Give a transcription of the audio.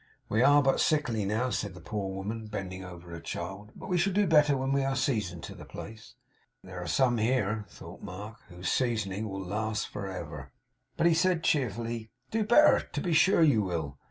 'We are but sickly now,' said the poor woman, bending over her child. 'But we shall do better when we are seasoned to the place.' 'There are some here,' thought Mark 'whose seasoning will last for ever.' But he said cheerfully, 'Do better! To be sure you will.